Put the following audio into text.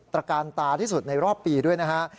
ตรการตาที่สุดในรอบปีด้วยนะฮะ